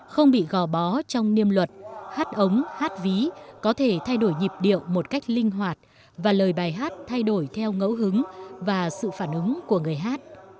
không bị gò bó trong niêm luật hát ống hát ví có thể thay đổi nhịp điệu một cách linh hoạt và lời bài hát thay đổi theo ngẫu hứng và sự phản ứng của người hát